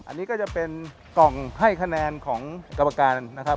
อันนี้ก็จะเป็นกล่องให้คะแนนของกรรมการนะครับ